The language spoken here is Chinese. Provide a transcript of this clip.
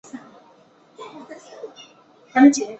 切扎里娜是巴西戈亚斯州的一个市镇。